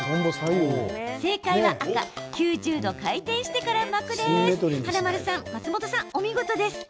正解は赤・９０度回転してから巻くです。